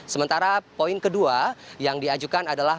sementara poin kedua yang diajukan adalah